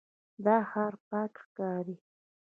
دا ښار پاک ښکاري.